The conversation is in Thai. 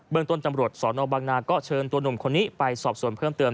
เมืองต้นตำรวจสนบางนาก็เชิญตัวหนุ่มคนนี้ไปสอบส่วนเพิ่มเติม